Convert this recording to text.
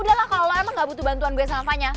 udah lah kalo lo emang gak butuh bantuan gue sama fanya